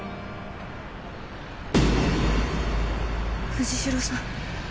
藤代さん。